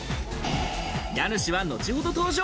家主は後ほど登場。